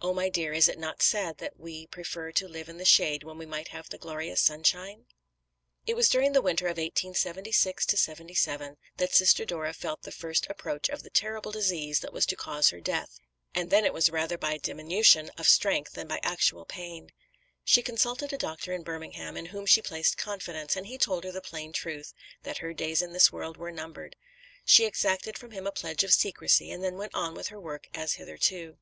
Oh, my dear, is it not sad that we prefer to live in the shade when we might have the glorious sunshine?" It was during the winter of 1876 77 that Sister Dora felt the first approach of the terrible disease that was to cause her death, and then it was rather by diminution of strength than by actual pain. She consulted a doctor in Birmingham, in whom she placed confidence, and he told her the plain truth, that her days in this world were numbered. She exacted from him a pledge of secrecy, and then went on with her work as hitherto.